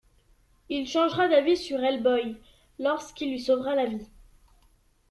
Il changera d'avis sur Hellboy lorsqu'il lui sauvera la vie.